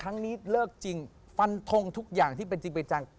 ครั้งนี้เลิกจริงฟันทงทุกอย่างที่เป็นจริงจัง